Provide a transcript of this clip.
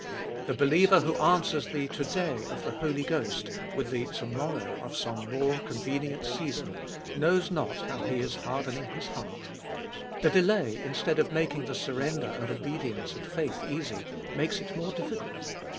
The believer who answers the To day of the Holy Ghost with the To morrow of some more convenient season, knows not how he is hardening his heart ; the delay, instead of making the sur render and obedience and faith easy, makes it more difficult.